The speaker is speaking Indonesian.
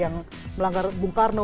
yang melanggar bung karno